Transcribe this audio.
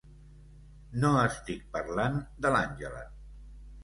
No estic parlant de l'Àngela.